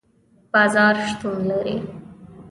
بازار شتون لري